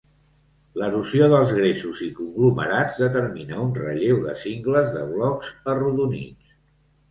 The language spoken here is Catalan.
L'erosió dels gresos i conglomerats determina un relleu de cingles de blocs arrodonits.